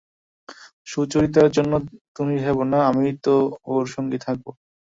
সুচরিতার জন্যে তুমি ভেবো না, আমি তো ওর সঙ্গেই থাকব।